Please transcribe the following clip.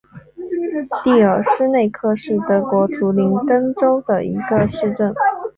蒂尔施内克是德国图林根州的一个市镇。